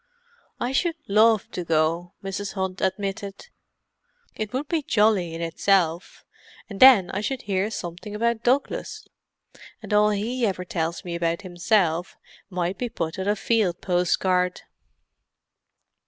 "I should love to go," Mrs. Hunt admitted. "It would be jolly in itself, and then I should hear something about Douglas; and all he ever tells me about himself might be put on a field postcard.